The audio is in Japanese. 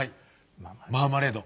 ママレード。